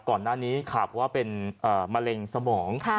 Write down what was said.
ก่อนหน้านี้ข่าวว่าเป็นมะเร็งสมอง